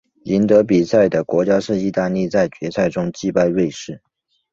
赢得比赛的国家是意大利在决赛中击败瑞士。